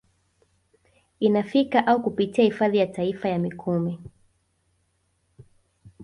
Inafika au kupitia hifadhi ya taifa ya Mikumi